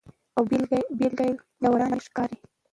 او بیلګه یې له ورایه ښکاري.